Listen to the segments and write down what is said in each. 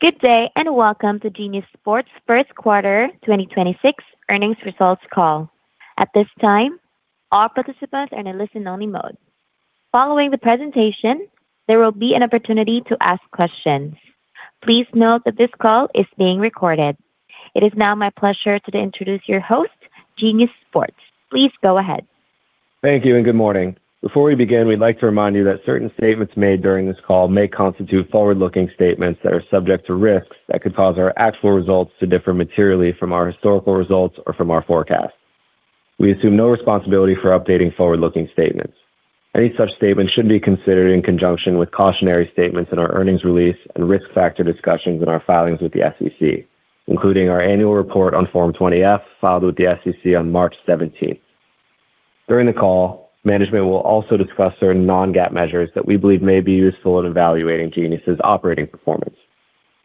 Good day. Welcome to Genius Sports' first quarter 2026 earnings results call. At this time, all participants are in a listen-only mode. Following the presentation, there will be an opportunity to ask questions. Please note that this call is being recorded. It is now my pleasure to introduce your host, Genius Sports. Please go ahead. Thank you and good morning. Before we begin, we'd like to remind you that certain statements made during this call may constitute forward-looking statements that are subject to risks that could cause our actual results to differ materially from our historical results or from our forecasts. We assume no responsibility for updating forward-looking statements. Any such statements should be considered in conjunction with cautionary statements in our earnings release and risk factor discussions in our filings with the SEC, including our annual report on Form 20-F filed with the SEC on March 17th. During the call, management will also discuss certain non-GAAP measures that we believe may be useful in evaluating Genius's operating performance.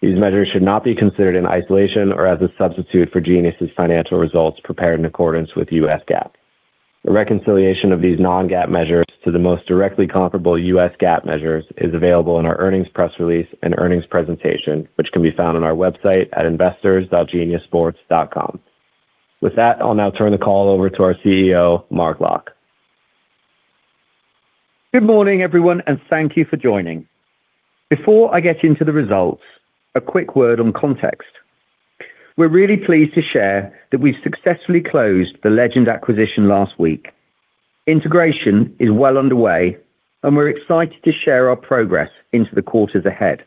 These measures should not be considered in isolation or as a substitute for Genius's financial results prepared in accordance with U.S. GAAP. A reconciliation of these non-GAAP measures to the most directly comparable U.S. GAAP measures is available in our earnings press release and earnings presentation, which can be found on our website at investors.geniussports.com. With that, I'll now turn the call over to our CEO, Mark Locke. Good morning, everyone, and thank you for joining. Before I get into the results, a quick word on context. We're really pleased to share that we've successfully closed the Legend acquisition last week. Integration is well underway and we're excited to share our progress into the quarters ahead.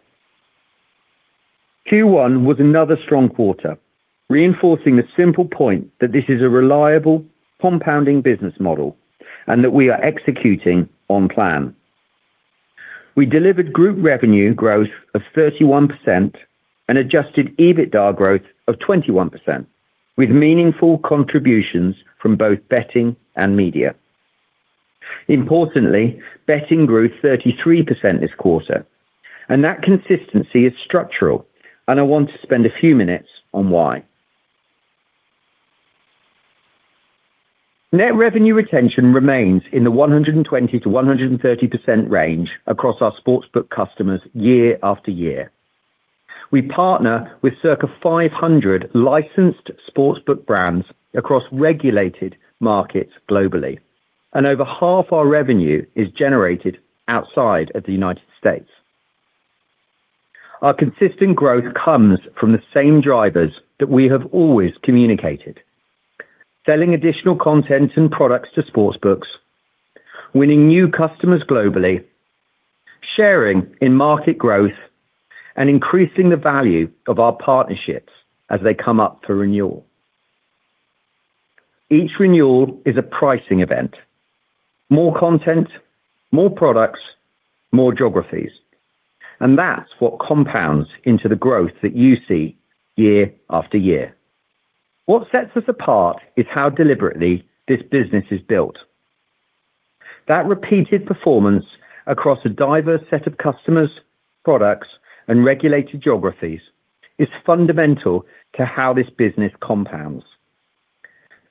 Q1 was another strong quarter, reinforcing the simple point that this is a reliable compounding business model and that we are executing on plan. We delivered group revenue growth of 31% and adjusted EBITDA growth of 21%, with meaningful contributions from both betting and media. Importantly, betting grew 33% this quarter. That consistency is structural, and I want to spend a few minutes on why. Net Revenue Retention remains in the 120%-130% range across our sportsbook customers year-after-year. We partner with circa 500 licensed sportsbook brands across regulated markets globally, and over 1/2 our revenue is generated outside of the United States. Our consistent growth comes from the same drivers that we have always communicated. Selling additional content and products to sportsbooks, winning new customers globally, sharing in market growth, and increasing the value of our partnerships as they come up for renewal. Each renewal is a pricing event. More content, more products, more geographies, and that's what compounds into the growth that you see year-after-year. What sets us apart is how deliberately this business is built. That repeated performance across a diverse set of customers, products and regulated geographies is fundamental to how this business compounds.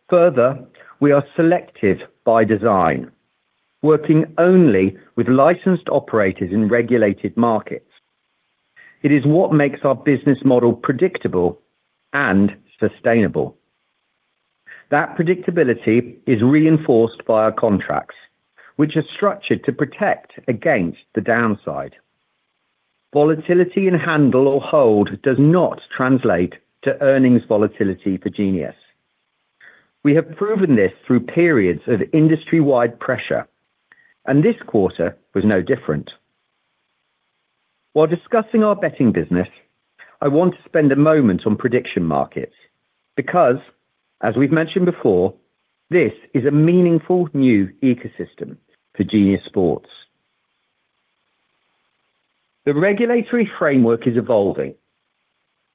Further, we are selective by design, working only with licensed operators in regulated markets. It is what makes our business model predictable and sustainable. That predictability is reinforced by our contracts, which are structured to protect against the downside. Volatility in handle or hold does not translate to earnings volatility for Genius. We have proven this through periods of industry-wide pressure, this quarter was no different. While discussing our betting business, I want to spend a moment on prediction markets because, as we've mentioned before, this is a meaningful new ecosystem for Genius Sports. The regulatory framework is evolving.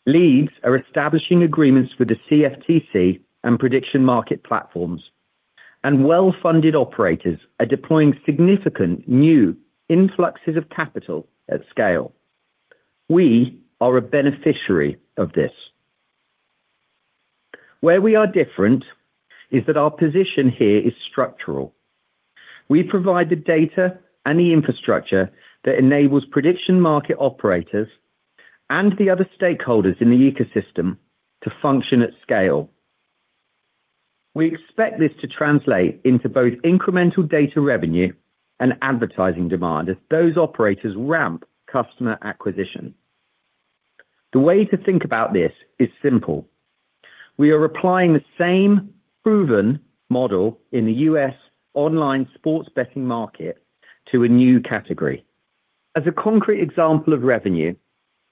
Leagues are establishing agreements with the CFTC and prediction market platforms, well-funded operators are deploying significant new influxes of capital at scale. We are a beneficiary of this. Where we are different is that our position here is structural. We provide the data and the infrastructure that enables prediction market operators and the other stakeholders in the ecosystem to function at scale. We expect this to translate into both incremental data revenue and advertising demand as those operators ramp customer acquisition. The way to think about this is simple. We are applying the same proven model in the U.S. online sports betting market to a new category. As a concrete example of revenue,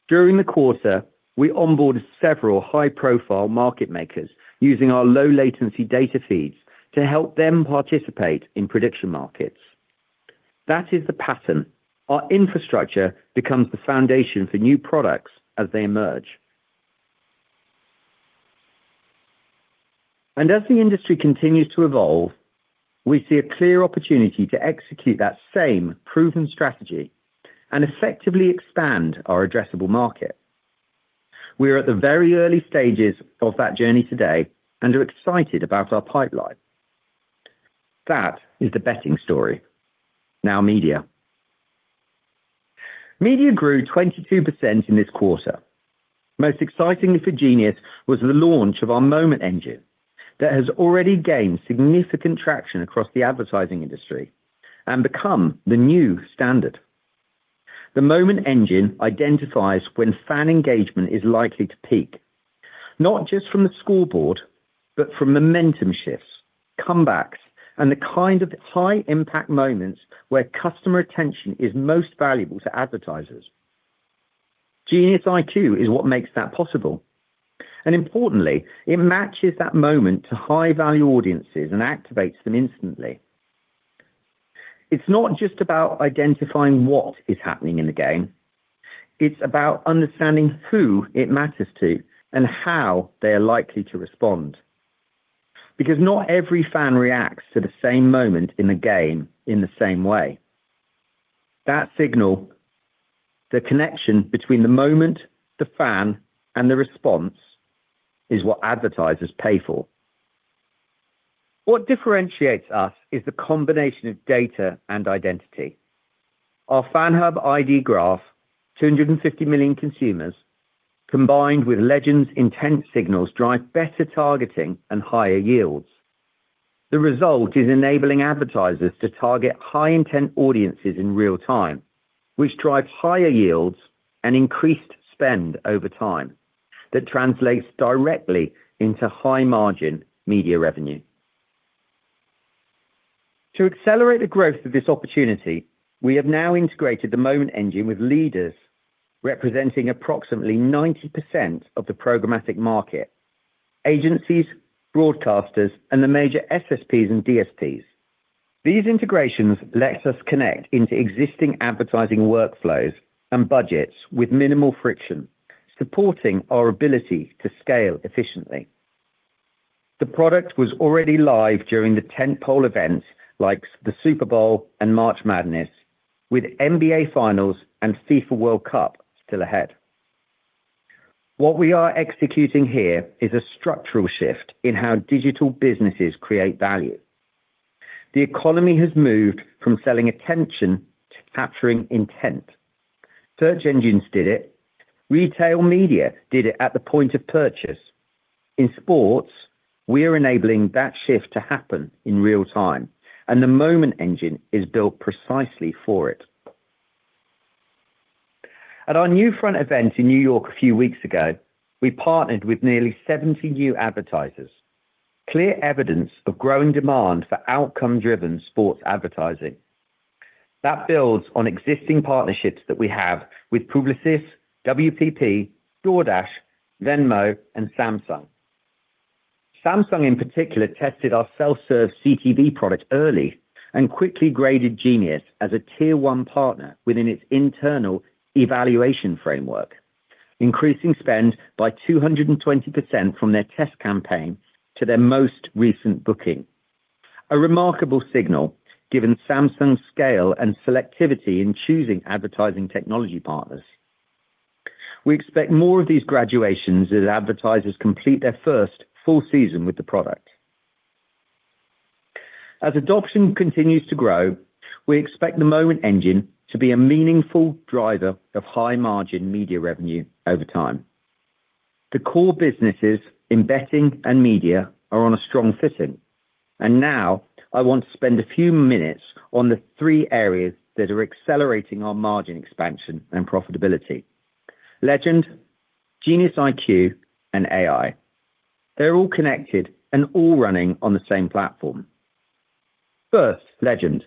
during the quarter, we onboarded several high-profile market makers using our low latency data feeds to help them participate in prediction markets. That is the pattern. Our infrastructure becomes the foundation for new products as they emerge. As the industry continues to evolve, we see a clear opportunity to execute that same proven strategy and effectively expand our addressable market. We are at the very early stages of that journey today and are excited about our pipeline. That is the betting story. Now Media. Media grew 22% in this quarter. Most exciting for Genius was the launch of our Moment Engine that has already gained significant traction across the advertising industry and become the new standard. The Moment Engine identifies when fan engagement is likely to peak, not just from the scoreboard, but from momentum shifts, comebacks, and the kind of high impact moments where customer attention is most valuable to advertisers. GeniusIQ is what makes that possible, and importantly, it matches that moment to high-value audiences and activates them instantly. It's not just about identifying what is happening in the game, it's about understanding who it matters to and how they are likely to respond. Because not every fan reacts to the same moment in the game in the same way. That signal, the connection between the moment, the fan, and the response is what advertisers pay for. What differentiates us is the combination of data and identity. Our FANHub:ID graph, 250 million consumers, combined with Legend's intent signals drive better targeting and higher yields. The result is enabling advertisers to target high-intent audiences in real time, which drives higher yields and increased spend over time that translates directly into high margin media revenue. To accelerate the growth of this opportunity, we have now integrated the Moment Engine with leaders representing approximately 90% of the programmatic market, agencies, broadcasters, and the major SSPs and DSPs. These integrations lets us connect into existing advertising workflows and budgets with minimal friction, supporting our ability to scale efficiently. The product was already live during the tentpole events like the Super Bowl and March Madness with NBA Finals and FIFA World Cup still ahead. What we are executing here is a structural shift in how digital businesses create value. The economy has moved from selling attention to capturing intent. Search engines did it. Retail media did it at the point of purchase. In sports, we are enabling that shift to happen in real time, and the Moment Engine is built precisely for it. At our NewFront event in New York a few weeks ago, we partnered with nearly 70 new advertisers. Clear evidence of growing demand for outcome-driven sports advertising. That builds on existing partnerships that we have with Publicis, WPP, DoorDash, Venmo, and Samsung. Samsung in particular tested our self-serve CTV product early and quickly graded Genius as a tier 1 partner within its internal evaluation framework, increasing spend by 220% from their test campaign to their most recent booking. A remarkable signal given Samsung's scale and selectivity in choosing advertising technology partners. We expect more of these graduations as advertisers complete their first full season with the product. As adoption continues to grow, we expect the Moment Engine to be a meaningful driver of high margin media revenue over time. The core businesses in betting and media are on a strong footing. Now I want to spend a few minutes on the three areas that are accelerating our margin expansion and profitability. Legend, GeniusIQ, and AI. They're all connected and all running on the same platform. First, Legend.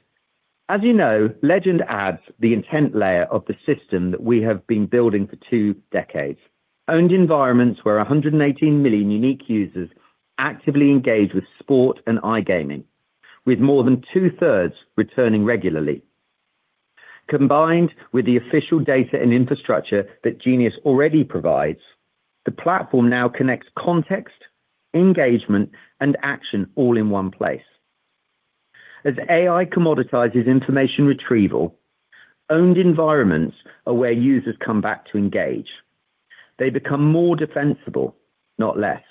As you know, Legend adds the intent layer of the system that we have been building for two decades. Owned environments where 118 million unique users actively engage with sport and iGaming with more than 2/3 returning regularly. Combined with the official data and infrastructure that Genius Sports already provides, the platform now connects context, engagement, and action all in one place. As AI commoditizes information retrieval, owned environments are where users come back to engage. They become more defensible, not less.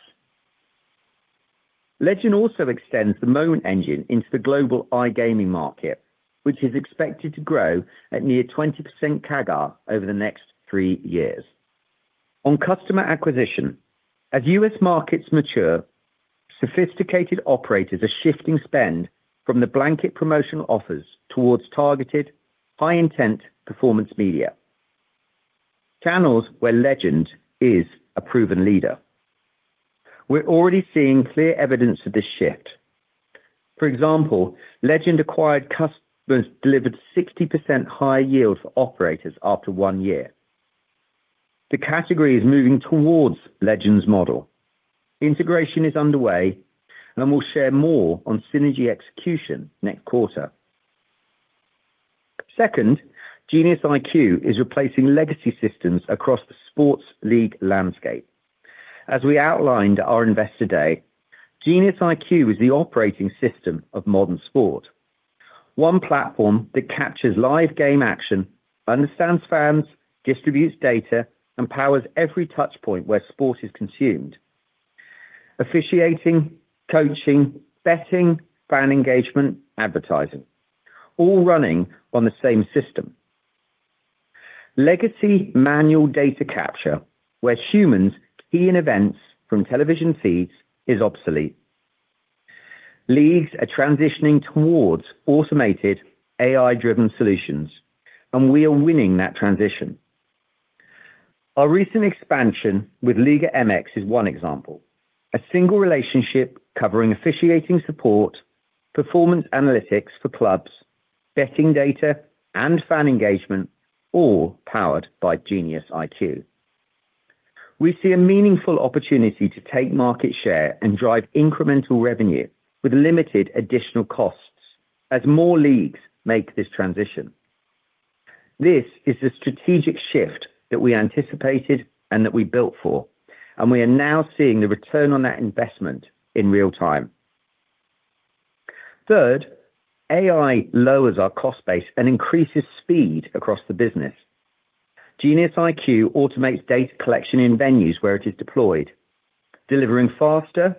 Legend also extends the Moment Engine into the global iGaming market, which is expected to grow at near 20% CAGR over the next three years. On customer acquisition, as U.S. markets mature, sophisticated operators are shifting spend from the blanket promotional offers towards targeted high-intent performance media, channels where Legend is a proven leader. We're already seeing clear evidence of this shift. For example, Legend-acquired customers delivered 60% higher yield for operators after one year. The category is moving towards Legend's model. Integration is underway, and we'll share more on synergy execution next quarter. Second, GeniusIQ is replacing legacy systems across the sports league landscape. As we outlined our Investor Day, GeniusIQ is the operating system of modern sport. One platform that captures live game action, understands fans, distributes data, and powers every touch point where sport is consumed. Officiating, coaching, betting, fan engagement, advertising, all running on the same system. Legacy manual data capture, where humans key in events from television feeds is obsolete. Leagues are transitioning towards automated AI-driven solutions, and we are winning that transition. Our recent expansion with Liga MX is one example. A single relationship covering officiating support, performance analytics for clubs, betting data and fan engagement, all powered by GeniusIQ. We see a meaningful opportunity to take market share and drive incremental revenue with limited additional costs as more leagues make this transition. This is the strategic shift that we anticipated and that we built for, and we are now seeing the return on that investment in real time. Third, AI lowers our cost base and increases speed across the business. GeniusIQ automates data collection in venues where it is deployed, delivering faster,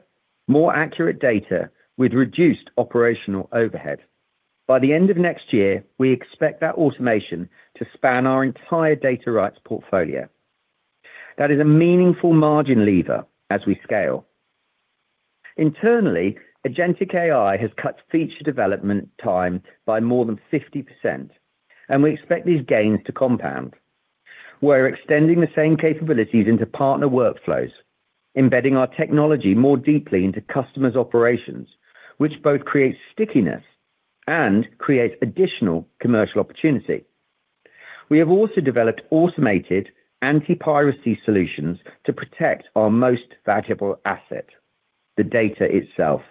more accurate data with reduced operational overhead. By the end of next year, we expect that automation to span our entire data rights portfolio. That is a meaningful margin lever as we scale. Internally, Agentic AI has cut feature development time by more than 50%, and we expect these gains to compound. We're extending the same capabilities into partner workflows, embedding our technology more deeply into customers' operations, which both creates stickiness and creates additional commercial opportunity. We have also developed automated anti-piracy solutions to protect our most valuable asset, the data itself.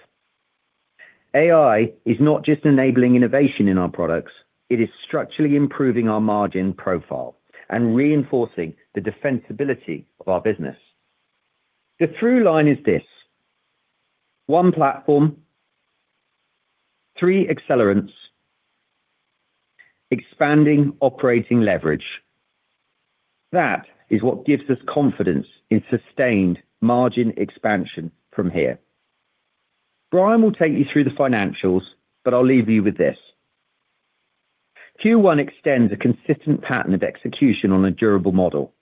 AI is not just enabling innovation in our products, it is structurally improving our margin profile and reinforcing the defensibility of our business. The through line is this. One platform, three accelerants, expanding operating leverage. That is what gives us confidence in sustained margin expansion from here. Bryan will take you through the financials. I'll leave you with this. Q1 extends a consistent pattern of execution on a durable model.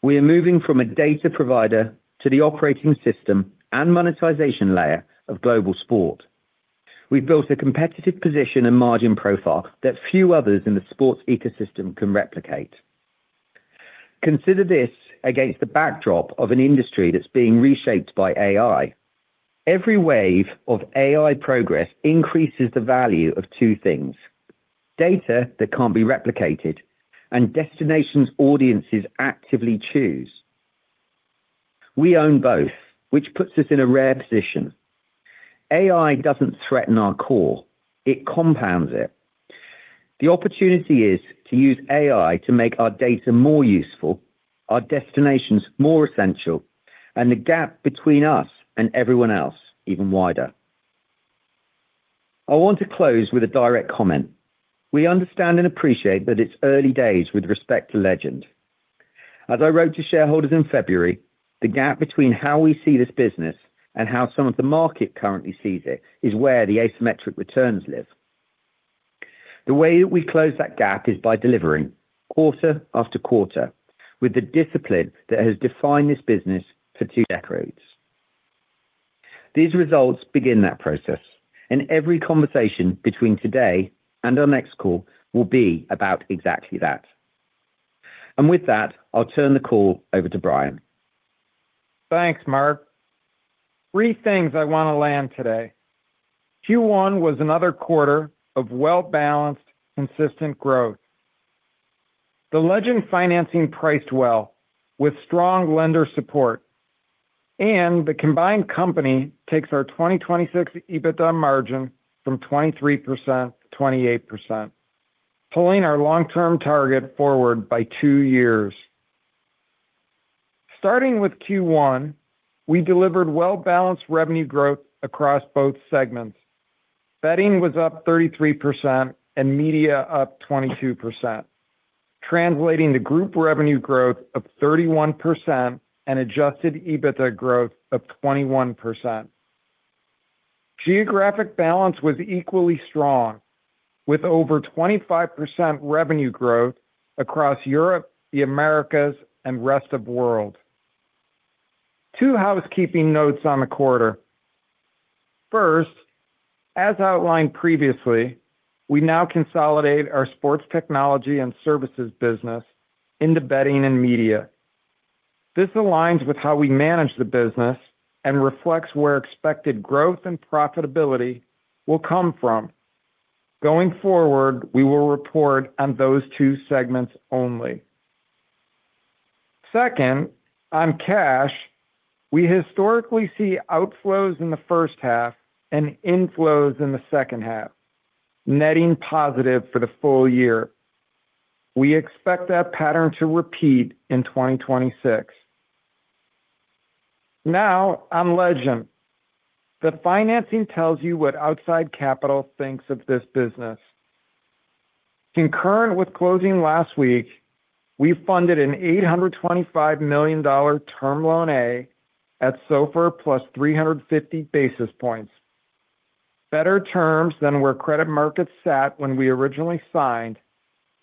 We are moving from a data provider to the operating system and monetization layer of global sport. We've built a competitive position and margin profile that few others in the sports ecosystem can replicate. Consider this against the backdrop of an industry that's being reshaped by AI. Every wave of AI progress increases the value of two things, data that can't be replicated and destinations audiences actively choose. We own both, which puts us in a rare position. AI doesn't threaten our core, it compounds it. The opportunity is to use AI to make our data more useful, our destinations more essential, and the gap between us and everyone else even wider. I want to close with a direct comment. We understand and appreciate that it's early days with respect to Legend. As I wrote to shareholders in February, the gap between how we see this business and how some of the market currently sees it is where the asymmetric returns live. The way that we close that gap is by delivering quarter-after-quarter with the discipline that has defined this business for two decades. These results begin that process. Every conversation between today and our next call will be about exactly that. With that, I'll turn the call over to Bryan. Thanks, Mark. three things I want to land today. Q1 was another quarter of well-balanced, consistent growth. The Legend financing priced well with strong lender support, and the combined company takes our 2026 EBITDA margin from 23% to 28%, pulling our long-term target forward by two years. Starting with Q1, we delivered well-balanced revenue growth across both segments. Betting was up 33% and media up 22%, translating to group revenue growth of 31% and adjusted EBITDA growth of 21%. Geographic balance was equally strong with over 25% revenue growth across Europe, the Americas, and rest of world. Two housekeeping notes on the quarter. First, as outlined previously, we now consolidate our sports technology and services business into betting and media. This aligns with how we manage the business and reflects where expected growth and profitability will come from. Going forward, we will report on those two segments only. Second, on cash, we historically see outflows in the first half and inflows in the second half, netting positive for the full year. We expect that pattern to repeat in 2026. On Legend. The financing tells you what outside capital thinks of this business. Concurrent with closing last week, we funded an $825 million Term Loan A at SOFR, +350 basis points. Better terms than where credit markets sat when we originally signed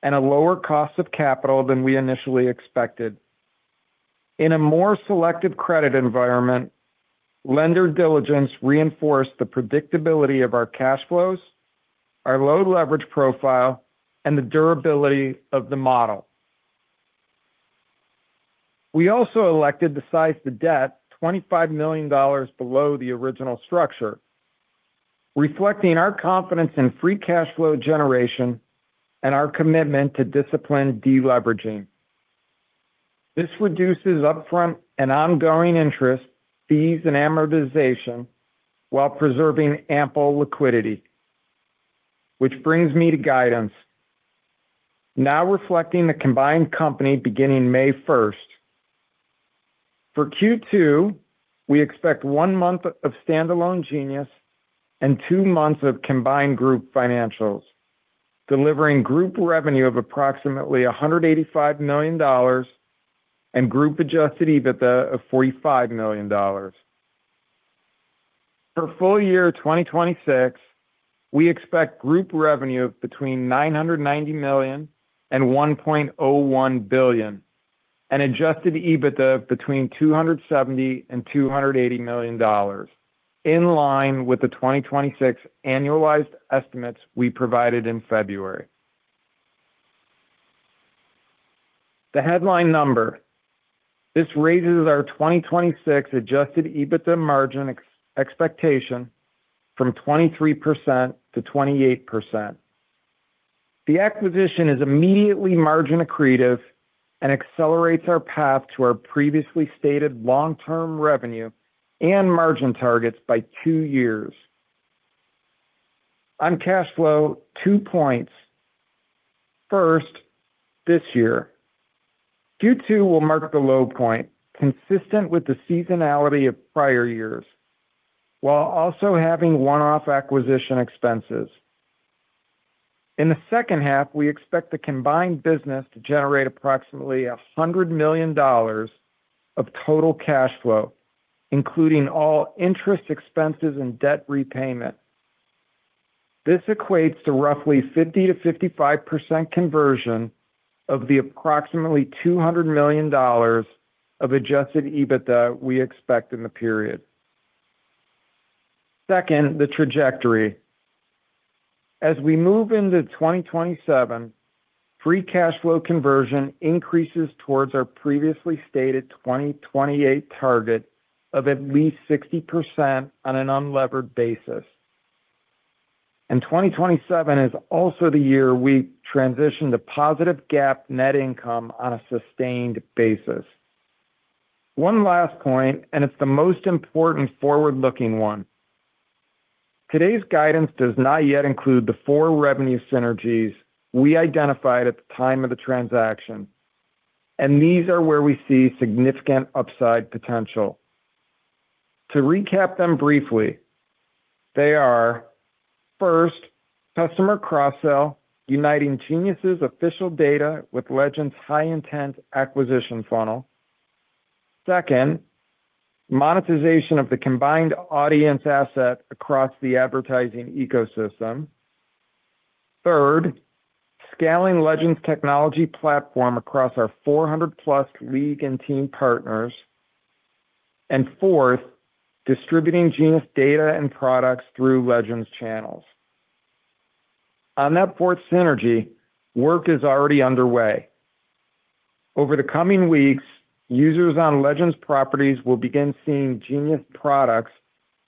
and a lower cost of capital than we initially expected. In a more selective credit environment, lender diligence reinforced the predictability of our cash flows, our low leverage profile, and the durability of the model. We also elected to size the debt $25 million below the original structure, reflecting our confidence in free cash flow generation and our commitment to disciplined deleveraging. Which reduces upfront and ongoing interest, fees, and amortization while preserving ample liquidity. Which brings me to guidance. Now reflecting the combined company beginning May 1st. For Q2, we expect one month of standalone Genius and two months of combined group financials, delivering group revenue of approximately $185 million and group adjusted EBITDA of $45 million. For full year 2026, we expect group revenue of between $990 million and $1.01 billion and adjusted EBITDA of between $270 million and $280 million, in line with the 2026 annualized estimates we provided in February. The headline number: This raises our 2026 adjusted EBITDA margin expectation from 23% to 28%. The acquisition is immediately margin accretive and accelerates our path to our previously stated long-term revenue and margin targets by two years. On cash flow, two points. First, this year. Q2 will mark the low point consistent with the seasonality of prior years, while also having one-off acquisition expenses. In the second half, we expect the combined business to generate approximately $100 million of total cash flow, including all interest expenses and debt repayment. This equates to roughly 50%-55% conversion of the approximately $200 million of adjusted EBITDA we expect in the period. Second, the trajectory. As we move into 2027, free cash flow conversion increases towards our previously stated 2028 target of at least 60% on an unlevered basis. 2027 is also the year we transition to positive GAAP net income on a sustained basis. One last point, and it's the most important forward-looking one. Today's guidance does not yet include the four revenue synergies we identified at the time of the transaction, and these are where we see significant upside potential. To recap them briefly, they are, first, customer cross-sell uniting Genius' official data with Legend's high-intent acquisition funnel. Second, monetization of the combined audience asset across the advertising ecosystem. Third, scaling Legend's technology platform across our 400+ league and team partners. Fourth, distributing Genius data and products through Legend's channels. On that fourth synergy, work is already underway. Over the coming weeks, users on Legend's properties will begin seeing Genius products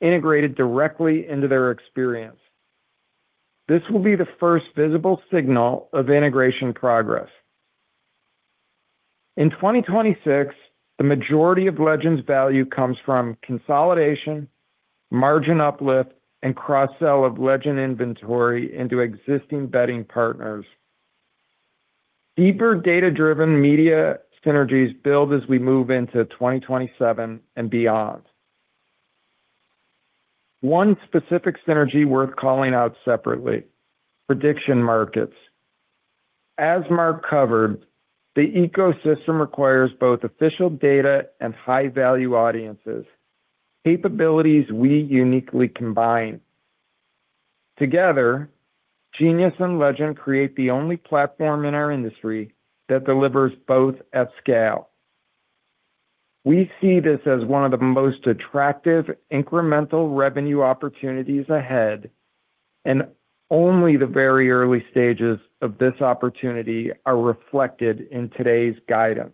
integrated directly into their experience. This will be the first visible signal of integration progress. In 2026, the majority of Legend's value comes from consolidation, margin uplift, and cross-sell of Legend inventory into existing betting partners. Deeper data-driven media synergies build as we move into 2027 and beyond. One specific synergy worth calling out separately: prediction markets. As Mark covered, the ecosystem requires both official data and high-value audiences, capabilities we uniquely combine. Together, Genius and Legend create the only platform in our industry that delivers both at scale. We see this as one of the most attractive incremental revenue opportunities ahead, and only the very early stages of this opportunity are reflected in today's guidance.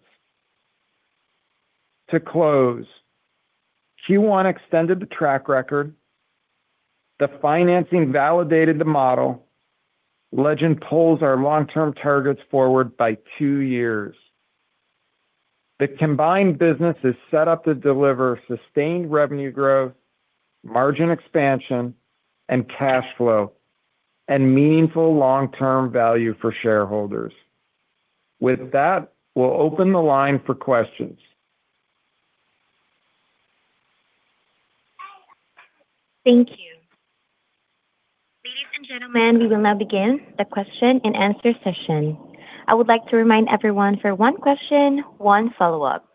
To close, Q1 extended the track record. The financing validated the model. Legend pulls our long-term targets forward by two years. The combined business is set up to deliver sustained revenue growth, margin expansion, and cash flow, and meaningful long-term value for shareholders. With that, we'll open the line for questions. Thank you. Ladies and gentlemen, we will now begin the question and answer session. I would like to remind everyone for one question, one follow-up.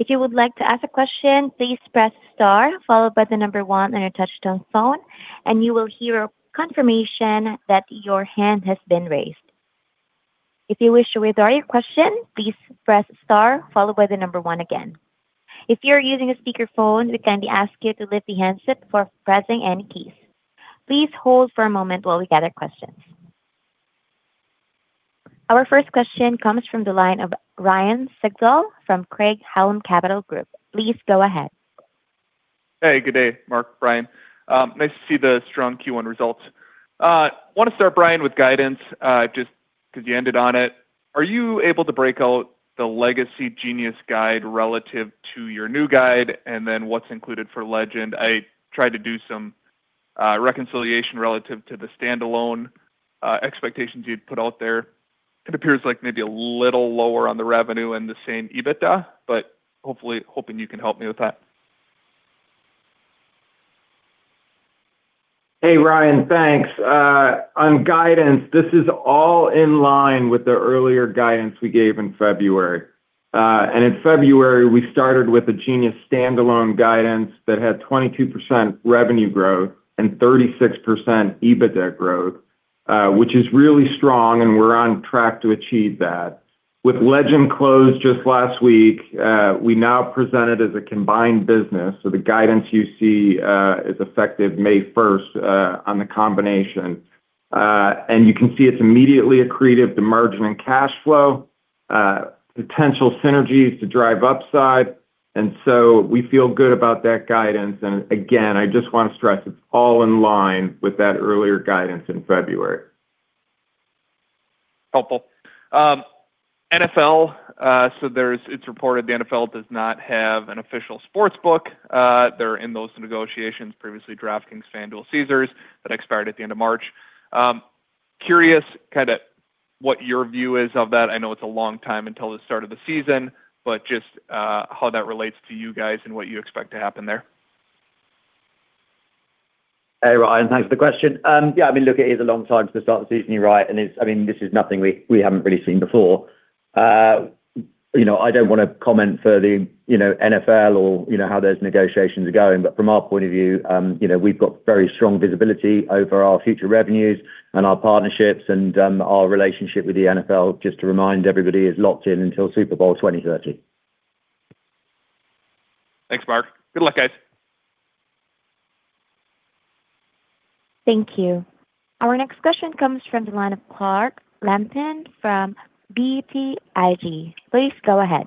If you would like to ask a question, please press star followed by number one on your touch tone phone, and you will hear a confirmation that your hand has been raised. If you wish to withdraw your question, please press star followed by number one again. If you're using a speaker phone, we kindly ask you to lift the handset before pressing any keys. Please hold for a moment while we gather questions. Our first question comes from the line of Ryan Sigdahl from Craig-Hallum Capital Group, please go ahead. Good day, Mark Locke, Bryan Castellani. Nice to see the strong Q1 results. Wanna start, Bryan Castellani, with guidance just 'cause you ended on it. Are you able to break out the legacy Genius Sports guide relative to your new guide, and then what's included for Legend? I tried to do some reconciliation relative to the standalone expectations you'd put out there. It appears like maybe a little lower on the revenue and the same EBITDA, but hopefully hoping you can help me with that. Hey, Ryan. Thanks. On guidance, this is all in line with the earlier guidance we gave in February. In February, we started with a Genius standalone guidance that had 22% revenue growth and 36% EBITDA growth, which is really strong, and we're on track to achieve that. With Legend closed just last week, we now present it as a combined business. The guidance you see is effective May 1st on the combination. You can see it's immediately accretive to margin and cash flow, potential synergies to drive upside, we feel good about that guidance. Again, I just wanna stress it's all in line with that earlier guidance in February. Helpful. NFL, it's reported the NFL does not have an official sports book. They're in those negotiations previously DraftKings, FanDuel, Caesars, that expired at the end of March. Curious kind of what your view is of that. I know it's a long time until the start of the season, but just how that relates to you guys and what you expect to happen there. Hey, Ryan. Thanks for the question. Yeah, I mean, look, it is a long time to start the season, you're right. I mean, this is nothing we haven't really seen before. You know, I don't wanna comment further, you know, NFL or, you know, how those negotiations are going. From our point of view, you know, we've got very strong visibility over our future revenues and our partnerships and our relationship with the NFL, just to remind everybody, is locked in until Super Bowl 2030. Thanks, Mark. Good luck, guys. Thank you. Our next question comes from the line of Clark Lampen from BTIG, please go ahead.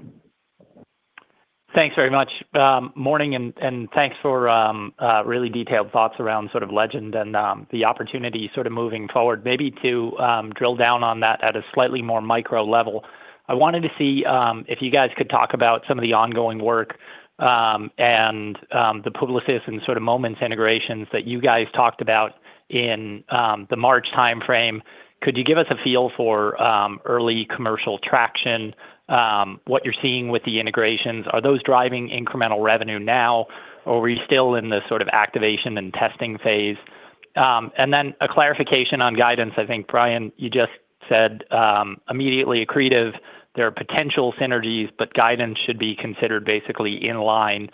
Thanks very much. Morning and thanks for a really detailed thoughts around sort of Legend and the opportunity sort of moving forward. Maybe to drill down on that at a slightly more micro level, I wanted to see if you guys could talk about some of the ongoing work and the Publicis and sort of Moment Engine integrations that you guys talked about in the March timeframe. Could you give us a feel for early commercial traction, what you're seeing with the integrations? Are those driving incremental revenue now, or are you still in the sort of activation and testing phase? A clarification on guidance. I think, Bryan, you just said immediately accretive, there are potential synergies, guidance should be considered basically in line.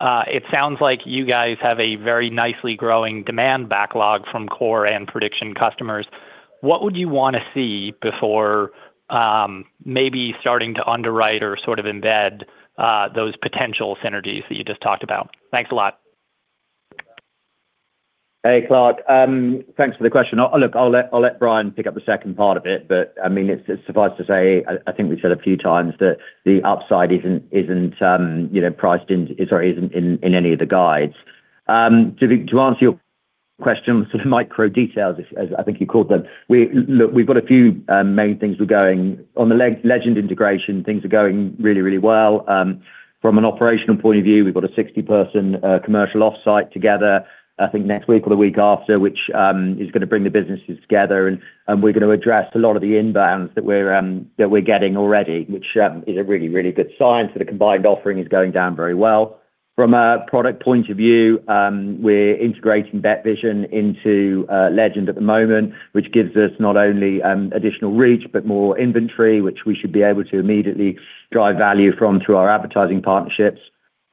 It sounds like you guys have a very nicely growing demand backlog from core and prediction customers. What would you wanna see before, maybe starting to underwrite or sort of embed, those potential synergies that you just talked about? Thanks a lot. Hey, Clark. Thanks for the question. I'll let Bryan pick up the second part of it. I mean, it's suffice to say, I think we've said a few times that the upside isn't, you know, priced in. Sorry, isn't in any of the guides. To answer your question, sort of micro details as I think you called them. We've got a few main things we're going. On the Legend integration, things are going really, really well. From an operational point of view, we've got a 60-person commercial offsite together, I think next week or the week after, which is going to bring the businesses together and we're going to address a lot of the inbounds that we're getting already, which is a really, really good sign. The combined offering is going down very well. From a product point of view, we're integrating BetVision into Legend at the moment, which gives us not only additional reach, but more inventory, which we should be able to immediately drive value from through our advertising partnerships.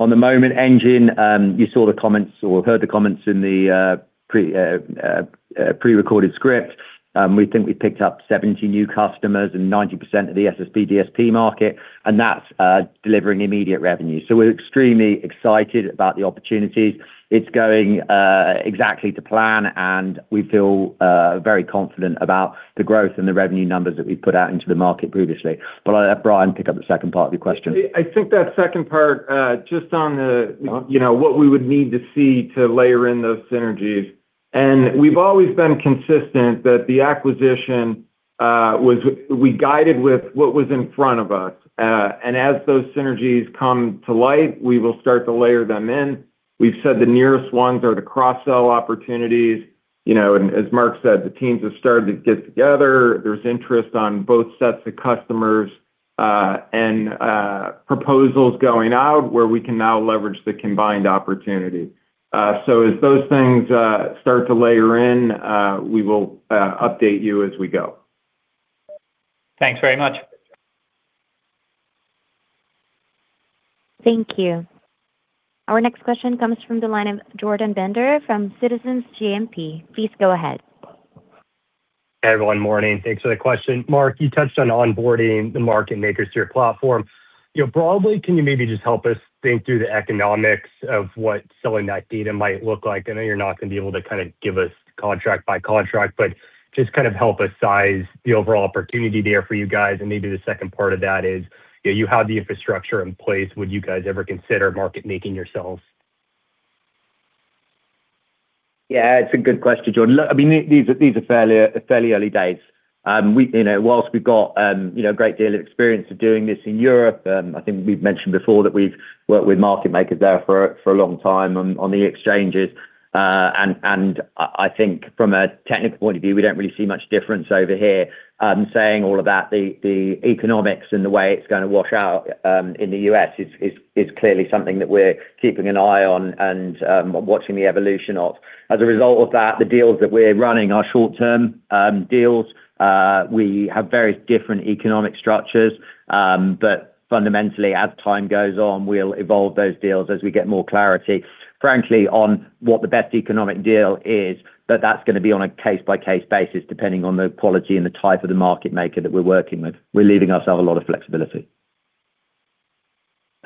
On the Moment Engine, you saw the comments or heard the comments in the pre-recorded script. We think we picked up 70 new customers and 90% of the SSP DSP market, and that's delivering immediate revenue. We're extremely excited about the opportunities. It's going exactly to plan, and we feel very confident about the growth and the revenue numbers that we put out into the market previously. I'll let Bryan pick up the second part of your question. I think that second part. You know, what we would need to see to layer in those synergies. We've always been consistent that the acquisition was we guided with what was in front of us. As those synergies come to light, we will start to layer them in. We've said the nearest ones are the cross-sell opportunities. You know, as Mark said, the teams have started to get together. There's interest on both sets of customers, and proposals going out where we can now leverage the combined opportunity. As those things start to layer in, we will update you as we go. Thanks very much. Thank you. Our next question comes from the line of Jordan Bender from Citizens JMP, please go ahead. Everyone, morning? Thanks for the question. Mark Locke, you touched on onboarding the market makers to your platform. You know, broadly, can you maybe just help us think through the economics of what selling that data might look like? I know you're not gonna be able to kinda give us contract by contract, but just kind of help us size the overall opportunity there for you guys. Maybe the second part of that is, you know, you have the infrastructure in place. Would you guys ever consider market making yourselves? Yeah, it's a good question, Jordan. Look, I mean, these are fairly early days. We, you know, whilst we've got, you know, a great deal of experience of doing this in Europe, I think we've mentioned before that we've worked with market makers there for a long time on the exchanges. I think from a technical point of view, we don't really see much difference over here. Saying all about the economics and the way it's gonna wash out in the U.S. is clearly something that we're keeping an eye on and watching the evolution of. As a result of that, the deals that we're running are short-term deals. We have various different economic structures. Fundamentally, as time goes on, we'll evolve those deals as we get more clarity, frankly, on what the best economic deal is. That's gonna be on a case-by-case basis, depending on the quality and the type of the market maker that we're working with. We're leaving ourselves a lot of flexibility.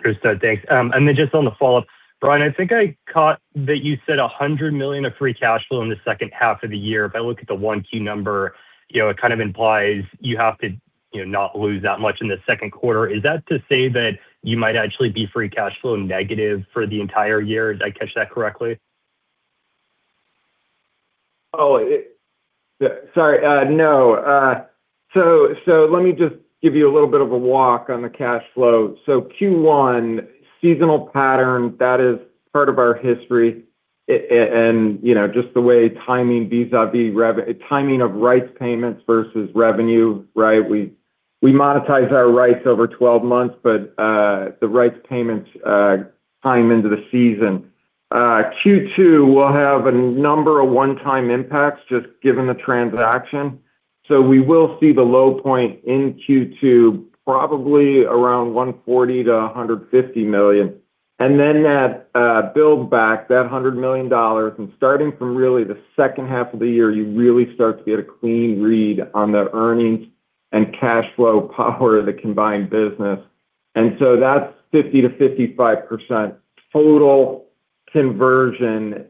Understood. Thanks. Then just on the follow-up, Bryan, I think I caught that you said $100 million of free cash flow in the second half of the year. If I look at the one key number, you know, it kind of implies you have to, you know, not lose that much in the second quarter. Is that to say that you might actually be free cash flow negative for the entire year? Did I catch that correctly? Sorry, no. Let me just give you a little bit of a walk on the cash flow. Q1 seasonal pattern, that is part of our history. You know, just the way timing vis-à-vis timing of rights payments versus revenue, right? We monetize our rights over 12 months, the rights payments time into the season. Q2 will have a number of one-time impacts just given the transaction. We will see the low point in Q2 probably around $140 million-$150 million. That build back, that $100 million and starting from really the second half of the year, you really start to get a clean read on the earnings and cash flow power of the combined business. That's 50%-55% total conversion,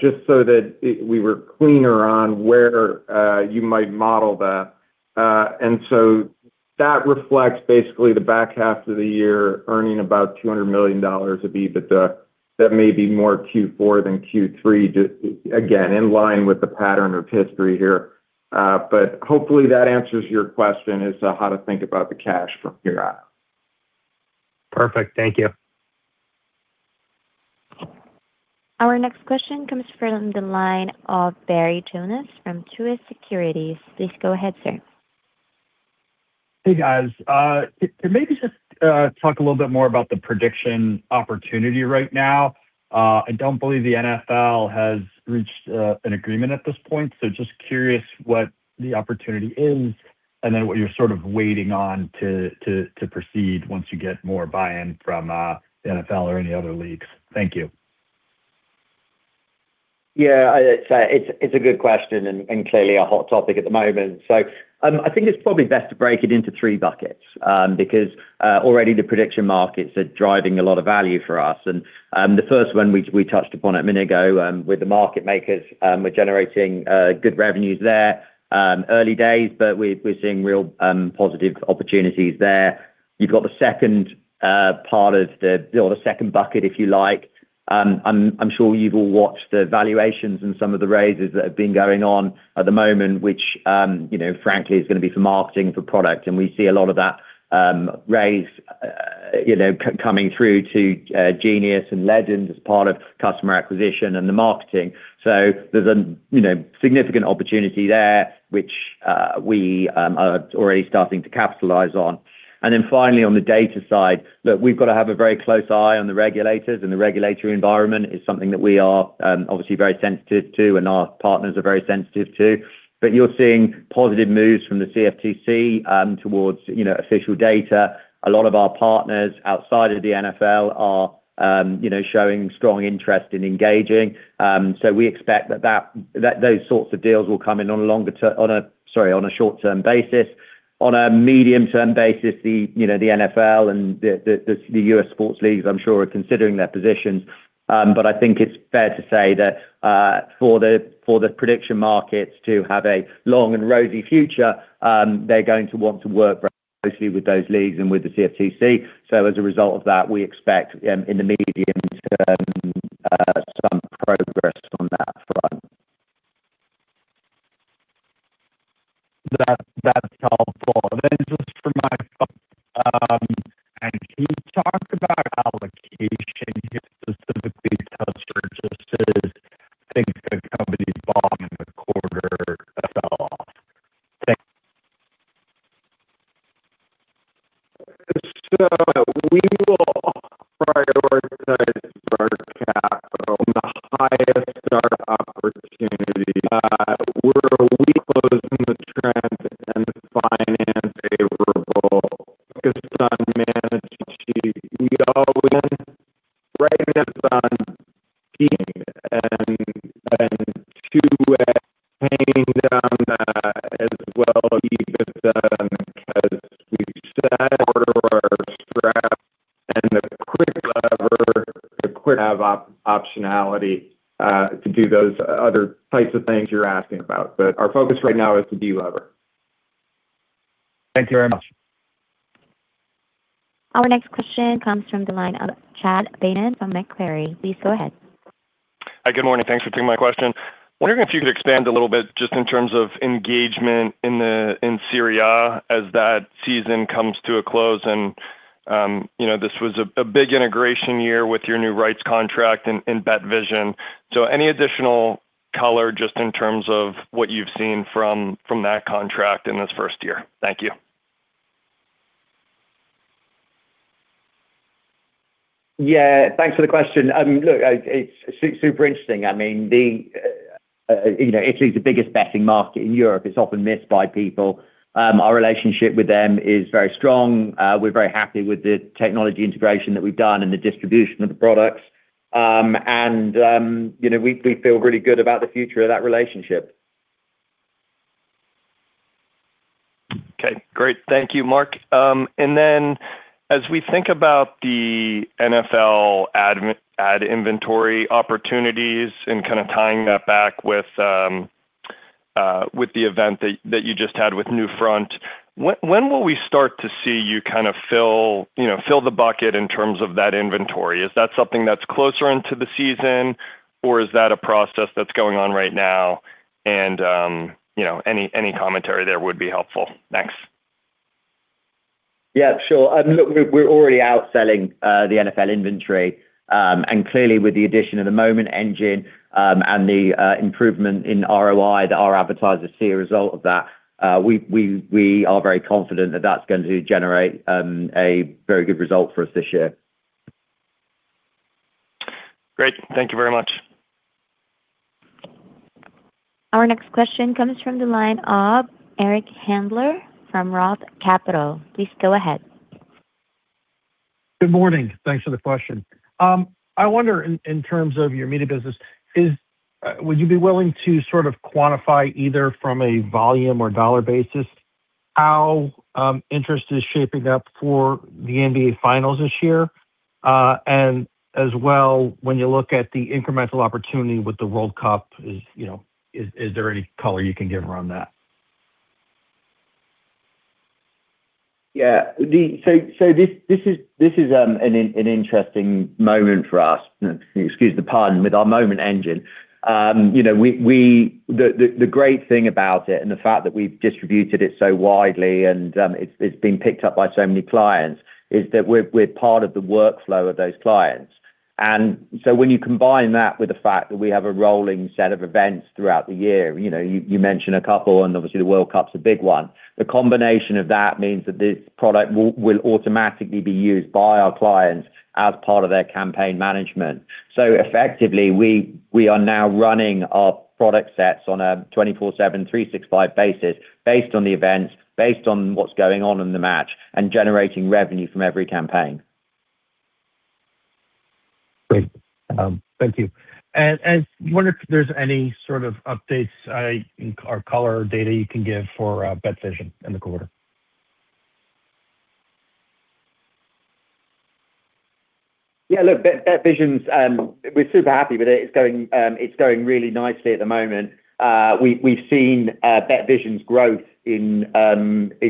just so that we were cleaner on where you might model that. That reflects basically the back half of the year earning about $200 million of EBITDA. That may be more Q4 than Q3, just again, in line with the pattern of history here. Hopefully that answers your question as to how to think about the cash from here on. Perfect. Thank you. Our next question comes from the line of Barry Jonas from Truist Securities, please go ahead, sir. Hey, guys. Could maybe just talk a little bit more about the prediction opportunity right now. I don't believe the NFL has reached an agreement at this point. Just curious what the opportunity is and then what you're sort of waiting on to proceed once you get more buy-in from the NFL or any other Leagues. Thank you. It's a good question and clearly a hot topic at the moment. I think it's probably best to break it into three buckets because already the prediction markets are driving a lot of value for us. The first one we touched upon a minute ago with the market makers, we're generating good revenues there. Early days, but we're seeing real positive opportunities there. You've got the second or the second bucket, if you like. I'm sure you've all watched the valuations and some of the raises that have been going on at the moment, which, you know, frankly, is gonna be for marketing and for product. We see a lot of that raise coming through to Genius and Legend as part of customer acquisition and the marketing. There's a significant opportunity there, which we are already starting to capitalize on. Finally, on the data side, look, we've got to have a very close eye on the regulators, and the regulatory environment is something that we are obviously very sensitive to and our partners are very sensitive to. You're seeing positive moves from the CFTC towards official data. A lot of our partners outside of the NFL are showing strong interest in engaging. We expect that those sorts of deals will come in on a short-term basis. On a medium-term basis, the, you know, the NFL and the U.S. sports leagues, I'm sure, are considering their positions. I think it's fair to say that for the prediction markets to have a long and rosy future, they're going to want to work very closely with those leagues and with the CFTC. As a result of that, we expect in the medium term some progress color just in terms of what you've seen from that contract in this first year? Thank you. Yeah, thanks for the question. Look, it's super interesting. I mean, you know, Italy's the biggest betting market in Europe. It's often missed by people. Our relationship with them is very strong. We're very happy with the technology integration that we've done and the distribution of the products. You know, we feel really good about the future of that relationship. Okay, great. Thank you, Mark. As we think about the NFL ad inventory opportunities and kind of tying that back with the event that you just had with NewFronts, when will we start to see you kind of fill, you know, fill the bucket in terms of that inventory? Is that something that's closer into the season, or is that a process that's going on right now? You know, any commentary there would be helpful. Thanks. Yeah, sure. Look, we're already out selling the NFL inventory. Clearly with the addition of the Moment Engine, and the improvement in ROI that our advertisers see a result of that, we are very confident that that's going to generate a very good result for us this year. Great. Thank you very much. Our next question comes from the line of Eric Handler from Roth Capital, please go ahead. Good morning. Thanks for the question. I wonder in terms of your media business, would you be willing to sort of quantify either from a volume or dollar basis how interest is shaping up for the NBA Finals this year? As well, when you look at the incremental opportunity with the World Cup, you know, is there any color you can give around that? This is an interesting moment for us, excuse the pun, with our Moment Engine. You know, the great thing about it and the fact that we've distributed it so widely and, it's been picked up by so many clients is that we're part of the workflow of those clients. When you combine that with the fact that we have a rolling set of events throughout the year, you know, you mentioned a couple, and obviously the World Cup's a big one. The combination of that means that this product will automatically be used by our clients as part of their campaign management. So effectively, we are now running our product sets on a 24/7, 365 basis based on the events, based on what's going on in the match, and generating revenue from every campaign. Great. Thank you. Wonder if there's any sort of updates, or color or data you can give for BetVision in the quarter. BetVision's, we're super happy with it. It's going really nicely at the moment. We've seen BetVision's growth in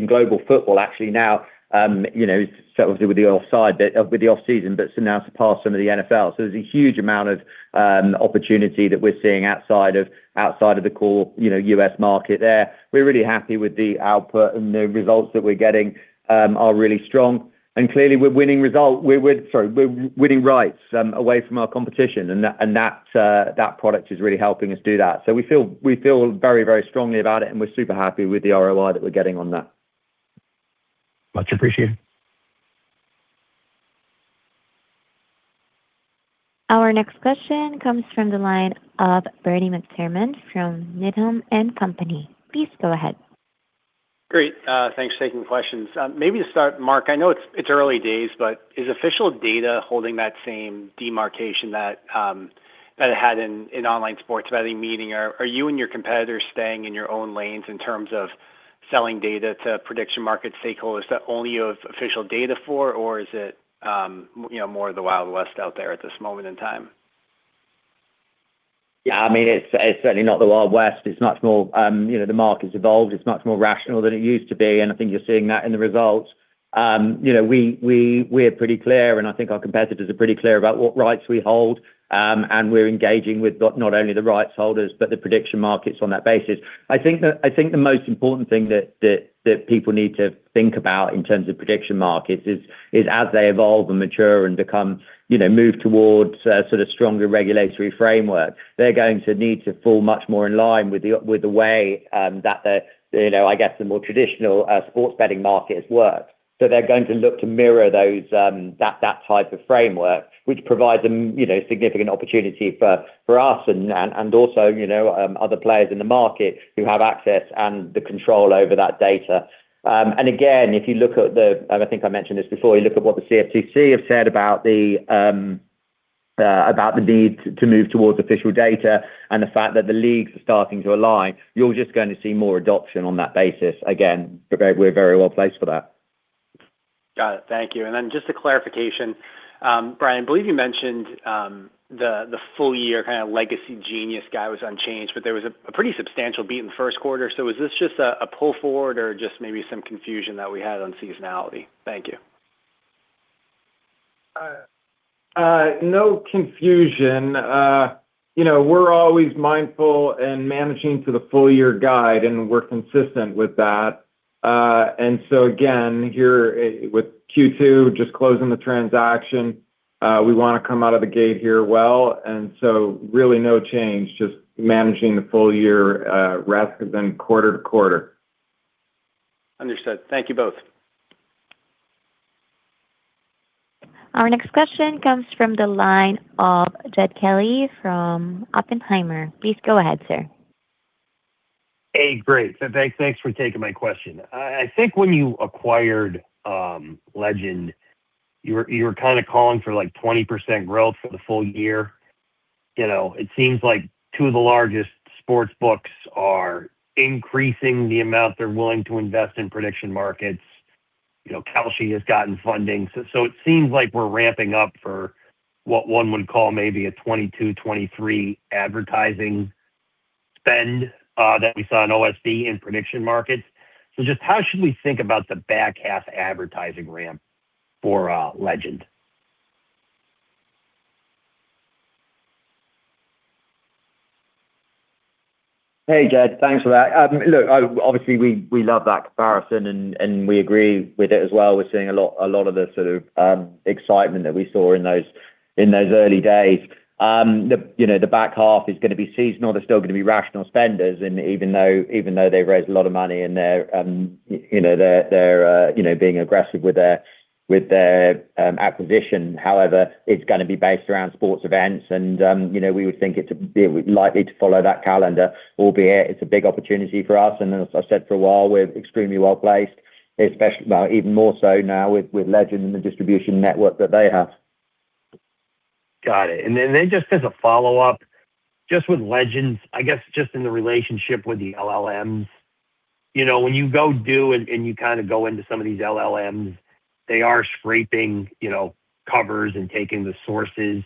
global football actually now, you know, so obviously with the offside, but with the off-season, so now surpassed some of the NFL. There's a huge amount of opportunity that we're seeing outside of the core, you know, U.S. market there. We're really happy with the output, and the results that we're getting are really strong. Clearly, we're winning rights away from our competition, and that product is really helping us do that. We feel very strongly about it, and we're super happy with the ROI that we're getting on that. Much appreciated. Our next question comes from the line of Bernie McTernan from Needham & Company, please go ahead. Great. Thanks for taking the questions. Maybe to start, Mark, I know it's early days, but is official data holding that same demarcation that it had in online sports betting market? Are you and your competitors staying in your own lanes in terms of selling data to prediction market stakeholders that only you have official data for, or is it, you know, more of the Wild West out there at this moment in time? Yeah, I mean, it's certainly not the Wild West. It's much more, you know, the market's evolved. It's much more rational than it used to be. I think you're seeing that in the results. You know, we're pretty clear, and I think our competitors are pretty clear about what rights we hold, and we're engaging with not only the rights holders, but the prediction markets on that basis. I think the most important thing that people need to think about in terms of prediction markets is as they evolve and mature and become, you know, move towards a sort of stronger regulatory framework, they're going to need to fall much more in line with the way that the, you know, I guess, the more traditional sports betting markets work. They're going to look to mirror those, that type of framework, which provides them, you know, significant opportunity for us and also, you know, other players in the market who have access and the control over that data. Again, and I think I mentioned this before, you look at what the CFTC have said about the need to move towards official data and the fact that the Leagues are starting to align, you're just going to see more adoption on that basis. Again, we're very well-placed for that. Got it. Thank you. Just a clarification. Bryan, I believe you mentioned the full year kind of legacy Genius guide was unchanged, but there was a pretty substantial beat in the first quarter. Was this just a pull forward or just maybe some confusion that we had on seasonality? Thank you. No confusion. You know, we're always mindful and managing to the full year guide, and we're consistent with that. Again, here, with Q2 just closing the transaction, we wanna come out of the gate here well, and so really no change, just managing the full year, rather than quarter-to-quarter. Understood. Thank you both. Our next question comes from the line of Jed Kelly from Oppenheimer, please go ahead, sir. Hey, great. Thanks for taking my question. I think when you acquired Legend, you were kind of calling for like 20% growth for the full year. You know, it seems like two of the largest sports books are increasing the amount they're willing to invest in prediction markets. You know, Kalshi has gotten funding. It seems like we're ramping up for what one would call maybe a 2022, 2023 advertising spend that we saw in OSB in prediction markets. Just how should we think about the back half advertising ramp for Legend? Hey, Jed, thanks for that. Look, obviously, we love that comparison and we agree with it as well. We're seeing a lot of the sort of excitement that we saw in those early days. You know, the back half is gonna be seasonal. They're still gonna be rational spenders and even though they've raised a lot of money and they're, you know, they're, you know, being aggressive with their acquisition. However, it's gonna be based around sports events and, you know, we would think it would likely to follow that calendar. Albeit, it's a big opportunity for us. As I said for a while, we're extremely well-placed, especially, well, even more so now with Legend and the distribution network that they have. Got it. Then just as a follow-up, just with Legend, I guess just in the relationship with the LLMs, you know, when you go do and you kind of go into some of these LLMs, they are scraping, you know, Covers and taking the sources.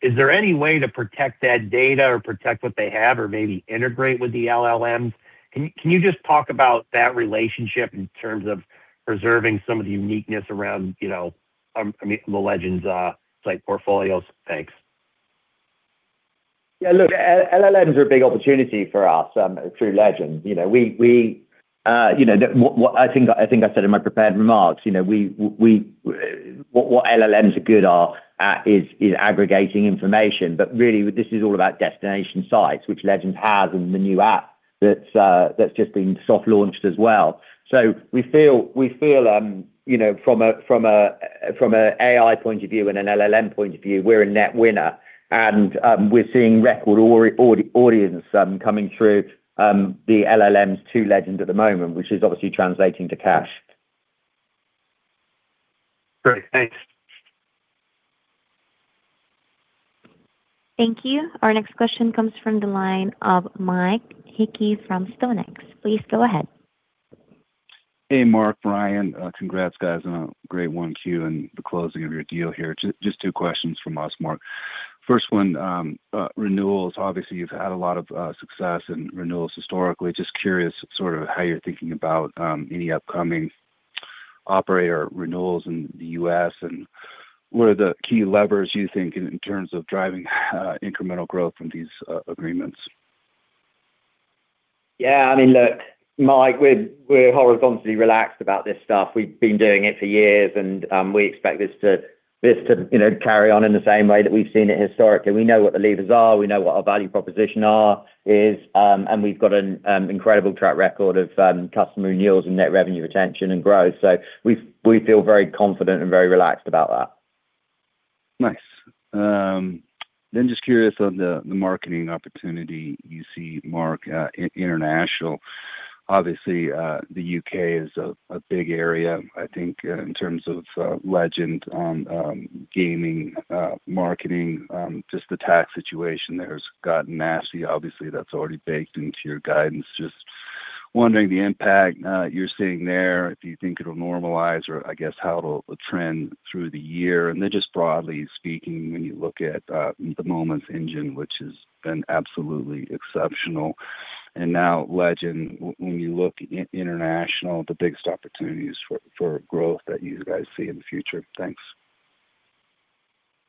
Is there any way to protect that data or protect what they have or maybe integrate with the LLMs? Can you just talk about that relationship in terms of preserving some of the uniqueness around, you know, I mean, the Legend's, like, portfolios? Thanks. Yeah, look, LLMs are a big opportunity for us through Legend. You know, we, you know, what I think I said in my prepared remarks, you know, what LLMs are good at is aggregating information. Really, this is all about destination sites, which Legend has and the new app that's just been soft launched as well. We feel, you know, from a AI point of view and an LLM point of view, we're a net winner. We're seeing record audience coming through the LLMs to Legend at the moment, which is obviously translating to cash. Great. Thanks. Thank you. Our next question comes from the line of Mike Hickey from StoneX, please go ahead. Hey, Mark, Bryan. Congrats guys on a great 1Q in the closing of your deal here. Just two questions from us, Mark. First one, renewals. Obviously, you've had a lot of success in renewals historically. Just curious sort of how you're thinking about any upcoming operator renewals in the U.S., and what are the key levers you think in terms of driving incremental growth from these agreements? Yeah, I mean, look, Mike, we're horizontally relaxed about this stuff. We've been doing it for years and, we expect this to, you know, carry on in the same way that we've seen it historically. We know what the levers are, we know what our value proposition is, and we've got an incredible track record of customer renewals and Net Revenue Retention and growth. We feel very confident and very relaxed about that. Nice. Then just curious on the marketing opportunity you see, Mark, international. Obviously, the U.K. is a big area, I think, in terms of Legend gaming marketing. Just the tax situation there has gotten nasty. Obviously, that's already baked into your guidance. Just wondering the impact you're seeing there, if you think it'll normalize or I guess how it'll trend through the year. Just broadly speaking, when you look at the Moment Engine, which has been absolutely exceptional. Now Legend, when you look international, the biggest opportunities for growth that you guys see in the future. Thanks.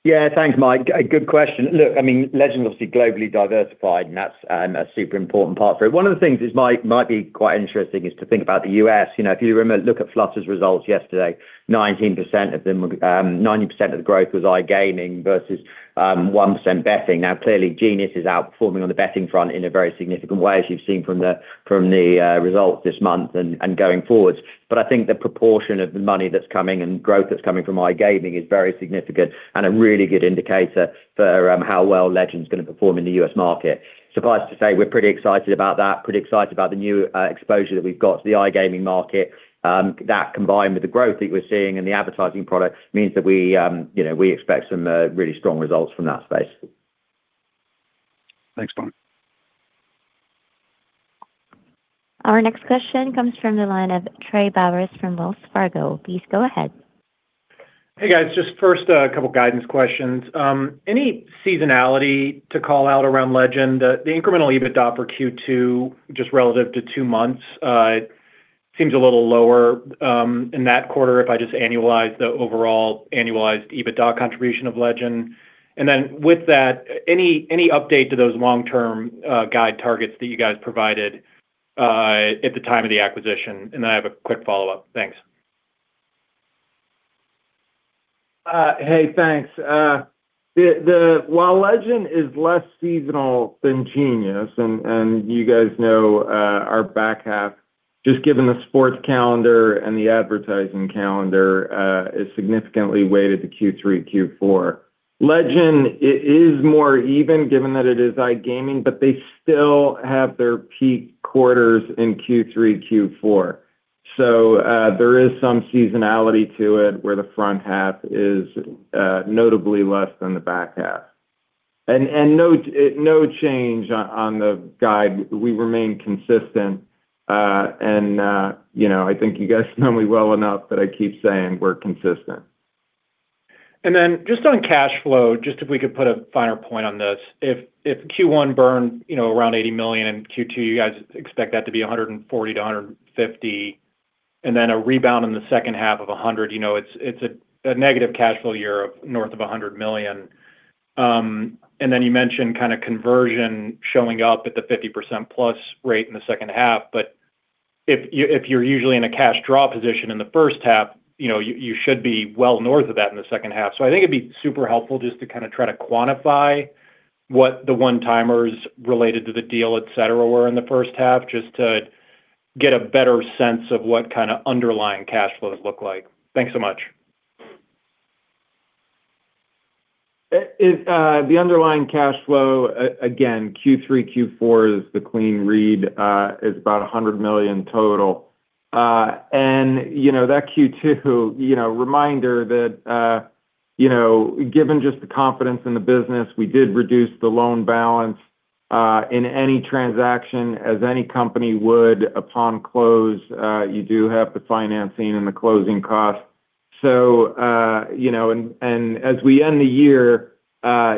Yeah. Thanks, Mike. A good question. Look, I mean, Legend obviously globally diversified, and that's a super important part for it. One of the things is might be quite interesting is to think about the U.S. You know, if you remember, look at Flutter's results yesterday. 90% of the growth was iGaming versus 1% betting. Clearly, Genius is outperforming on the betting front in a very significant way, as you've seen from the results this month and going forwards. I think the proportion of the money that's coming and growth that's coming from iGaming is very significant and a really good indicator for how well Legend's gonna perform in the U.S. market. Suffice to say, we're pretty excited about that. Pretty excited about the new exposure that we've got to the iGaming market. That combined with the growth that we're seeing and the advertising product means that we, you know, we expect some really strong results from that space. Thanks, Mark. Our next question comes from the line of Trey Bowers from Wells Fargo, please go ahead. Hey, guys. Just first, a couple guidance questions. Any seasonality to call out around Legend? The incremental EBITDA for Q2 just relative to two months, it seems a little lower in that quarter if I just annualize the overall annualized EBITDA contribution of Legend. With that, any update to those long-term guide targets that you guys provided at the time of the acquisition? I have a quick follow-up. Thanks. Hey, thanks. While Legend is less seasonal than Genius, and you guys know, our back half just given the sports calendar and the advertising calendar, is significantly weighted to Q3, Q4. Legend is more even given that it is iGaming, but they still have their peak quarters in Q3, Q4. There is some seasonality to it, where the front half is notably less than the back half. No change on the guide. We remain consistent. You know, I think you guys know me well enough that I keep saying we're consistent. Just on cash flow, just if we could put a finer point on this. If Q1 burned, you know, around $80 million and Q2 you guys expect that to be $140-$150 and then a rebound in the second half of $100 million, you know, it's a negative cash flow year of north of $100 million. Then you mentioned kind of conversion showing up at the 50%+ rate in the second half. If you're usually in a cash draw position in the first half, you know, you should be well north of that in the second half. I think it'd be super helpful just to try to quantify what the one-timers related to the deal, et cetera, were in the first half just to get a better sense of what underlying cash flows look like. Thanks so much. The underlying cash flow, again, Q3, Q4 is the clean read, is about $100 million total. You know, that Q2, you know, reminder that, you know, given just the confidence in the business, we did reduce the loan balance in any transaction as any company would upon close. You do have the financing and the closing costs. You know, and, as we end the year,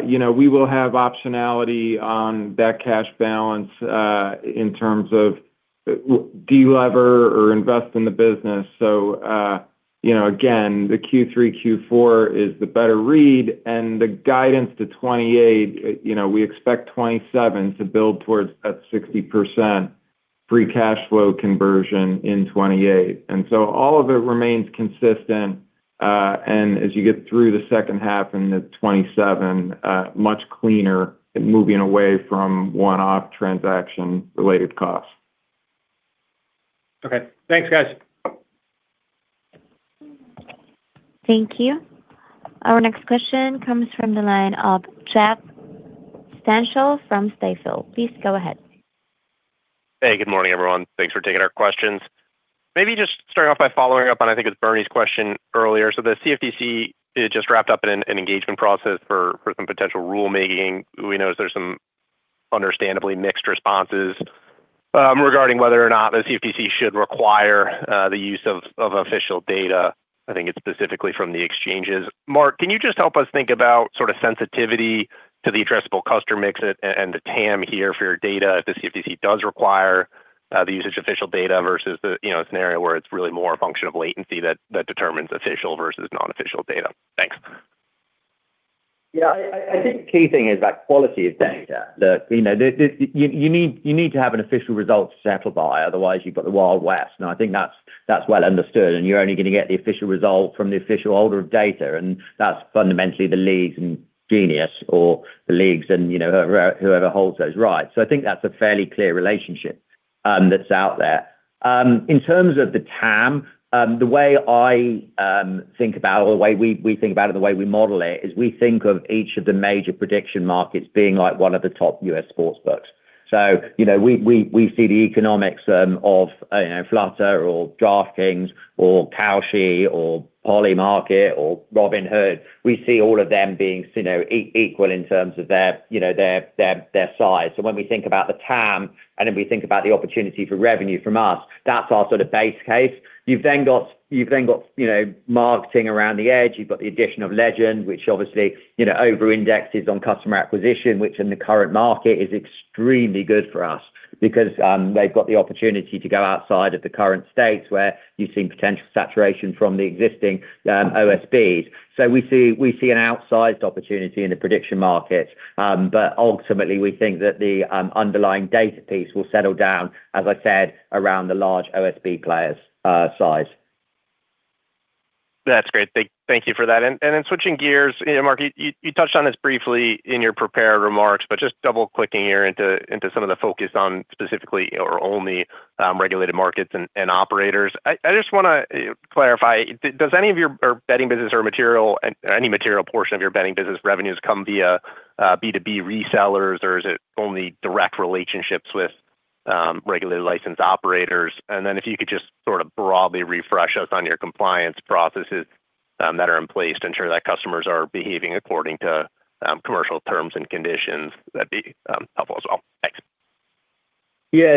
you know, we will have optionality on that cash balance in terms of delever or invest in the business. You know, again, the Q3, Q4 is the better read and the guidance to 2028, you know, we expect 2027 to build towards that 60% free cash flow conversion in 2028. All of it remains consistent. As you get through the second half into 2027, much cleaner moving away from one-off transaction related costs. Okay. Thanks, guys. Thank you. Our next question comes from the line of Jeffrey Stantial from Stifel, please go ahead. Good morning, everyone. Thanks for taking our questions. Starting off by following up on, I think it was Barry's question earlier. The CFTC, it just wrapped up an engagement process for some potential rulemaking. We know there's some understandably mixed responses regarding whether or not the CFTC should require the use of official data. I think it's specifically from the exchanges. Mark, can you just help us think about sort of sensitivity to the addressable customer mix and the TAM here for your data if the CFTC does require the usage official data versus a scenario where it's really more a function of latency that determines official versus non-official data? Thanks. I think the key thing is that quality of data. The, you know, you need to have an official result to settle by, otherwise you've got the Wild West, and I think that's well understood. You're only gonna get the official result from the official holder of data, and that's fundamentally the leagues and Genius or the leagues and, you know, whoever holds those rights. I think that's a fairly clear relationship, that's out there. In terms of the TAM, the way I think about or the way we think about it and the way we model it is we think of each of the major prediction markets being like one of the top U.S. sportsbooks. We see the economics, of, you know, Flutter or DraftKings or Kalshi or Polymarket or Robinhood, we see all of them being, you know, equal in terms of their, you know, their size. When we think about the TAM, and then we think about the opportunity for revenue from us, that's our sort of base case. You've then got, you know, marketing around the edge. You've got the addition of Legend, which obviously over-indexes on customer acquisition, which in the current market is extremely good for us because they've got the opportunity to go outside of the current states where you're seeing potential saturation from the existing OSBs. We see an outsized opportunity in the prediction market. Ultimately, we think that the underlying data piece will settle down, as I said, around the large OSB player's size. That's great. Thank you for that. Then switching gears, you know, Mark, you touched on this briefly in your prepared remarks, but just double-clicking here into some of the focus on specifically or only regulated markets and operators. I just wanna clarify, does any of your betting business or any material portion of your betting business revenues come via B2B resellers or is it only direct relationships with regularly licensed operators? Then if you could just sort of broadly refresh us on your compliance processes that are in place to ensure that customers are behaving according to commercial terms and conditions, that'd be helpful as well. Thanks.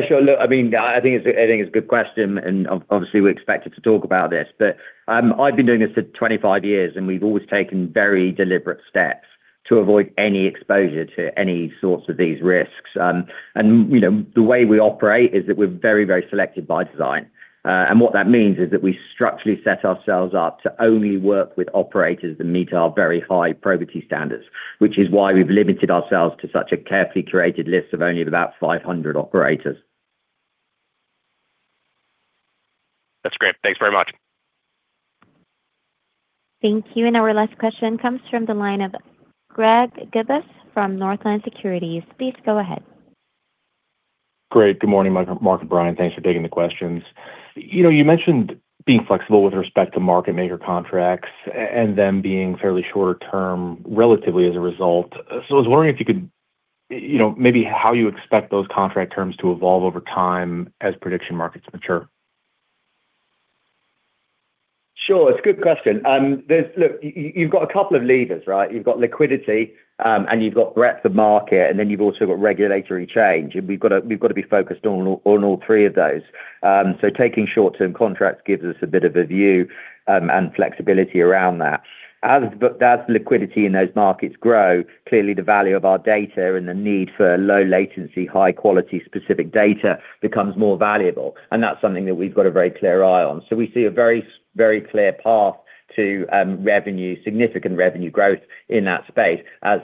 Sure. Look, I mean, I think it's a good question, obviously we're expected to talk about this. I've been doing this for 25 years, we've always taken very deliberate steps to avoid any exposure to any sorts of these risks. You know, the way we operate is that we're very, very selective by design. What that means is that we structurally set ourselves up to only work with operators that meet our very high probity standards, which is why we've limited ourselves to such a carefully curated list of only about 500 operators. That's great. Thanks very much. Thank you. Our last question comes from the line of Greg Gibas from Northland Securities, please go ahead. Great. Good morning, Mark and Bryan, thanks for taking the questions. You know, you mentioned being flexible with respect to market maker contracts and them being fairly shorter term relatively as a result. I was wondering if you could You know, maybe how you expect those contract terms to evolve over time as prediction markets mature. Sure. It's a good question. There's Look, you've got a couple of levers, right? You've got liquidity, and you've got breadth of market, and then you've also got regulatory change. We've gotta be focused on all three of those. Taking short-term contracts gives us a bit of a view and flexibility around that. As liquidity in those markets grow, clearly the value of our data and the need for low latency, high quality specific data becomes more valuable, and that's something that we've got a very clear eye on. We see a very clear path to revenue, significant revenue growth in that space as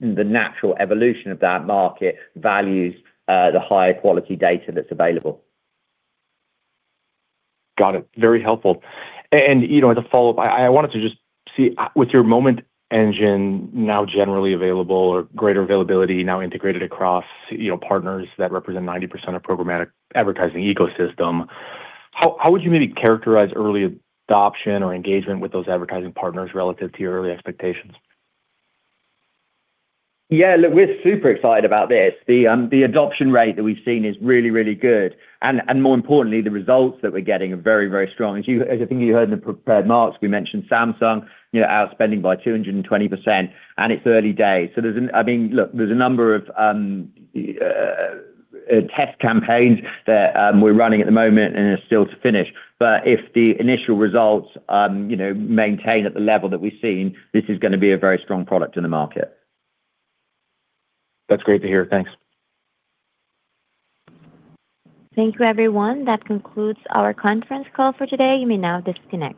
the natural evolution of that market values the higher quality data that's available. Got it. Very helpful. You know, as a follow-up, I wanted to just see with your Moment Engine now generally available or greater availability now integrated across, you know, partners that represent 90% of programmatic advertising ecosystem, how would you maybe characterize early adoption or engagement with those advertising partners relative to your early expectations? Look, we're super excited about this. The adoption rate that we've seen is really, really good. More importantly, the results that we're getting are very, very strong. As you heard in the prepared remarks, we mentioned Samsung, you know, outspending by 220%, it's early days. I mean, look, there's a number of test campaigns that we're running at the moment and are still to finish. If the initial results, you know, maintain at the level that we've seen, this is gonna be a very strong product in the market. That's great to hear. Thanks. Thank you, everyone. That concludes our conference call for today, you may now disconnect.